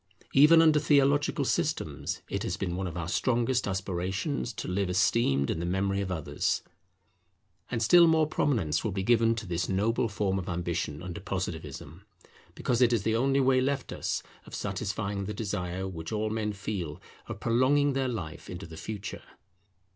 Even under theological systems it has been one of our strongest aspirations to live esteemed in the memory of others. And still more prominence will be given to this noble form of ambition under Positivism, because it is the only way left us of satisfying the desire which all men feel of prolonging their life into the Future.